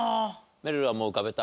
めるるはもう浮かべた？